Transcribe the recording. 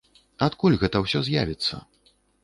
Адкуль гэта ўсё з'явіцца?